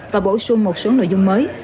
và bổ sung một số nội dung mới